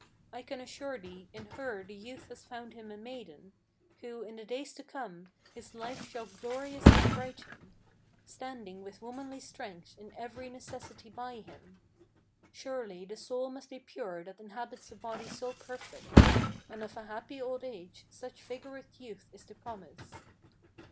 I can assure thee, in her the youth has found him a maiden, Who, in the days to come, his life shall gloriously brighten, Standing with womanly strength in every necessity by him. Surely the soul must be pure that inhabits a body so perfect, And of a happy old age such vigorous youth is the promise."